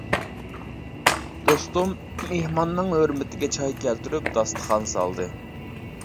دوستۇم مېھماننىڭ ھۆرمىتىگە چاي كەلتۈرۈپ، داستىخان سالدى.